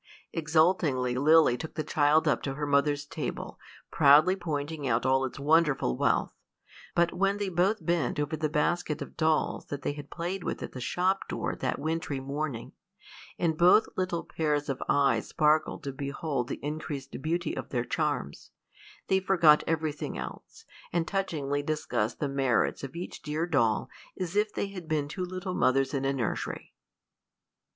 Exultingly Lily took the child up to her mother's table, proudly pointing out all its wonderful wealth; but when they both bent over the basket of dolls that they had played with at the shop door that wintry morning, and both little pairs of eyes sparkled to behold the increased beauty of their charms, they forgot everything else, and touchingly discussed the merits of each dear doll as if they had been two little mothers in a nursery.